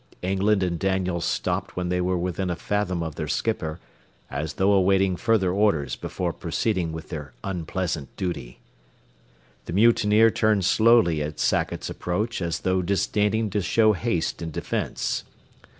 England and Daniels stopped when they were within a fathom of their skipper as though awaiting further orders before proceeding with their unpleasant duty. The mutineer turned slowly at Sackett's approach as though disdaining to show haste in defence.